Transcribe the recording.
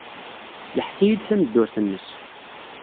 Yeḥka-iyi-d tameddurt-nnes.